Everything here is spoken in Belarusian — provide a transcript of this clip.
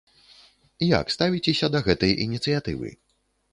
Як ставіцеся да гэтай ініцыятывы?